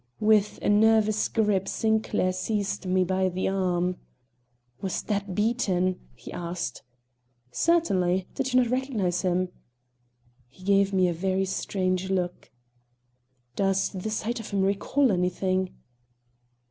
With a nervous grip Sinclair seized me by the arm. "Was that Beaton?" he asked. "Certainly; didn't you recognize him?" He gave me a very strange look. "Does the sight of him recall anything?"